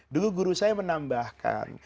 dulu guru saya menambahkan